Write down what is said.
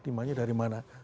demandnya dari mana